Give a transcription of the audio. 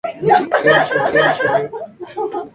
Una más murió al día siguiente.